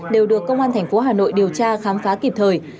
đều được công an tp hà nội điều tra khám phá kịp thời